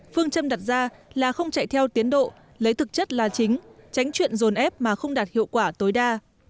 phương châm đặt ra là không chạy theo tiến độ lấy thực chất là chính tránh chuyện dồn ép mà không đạt hiệu quả tối đa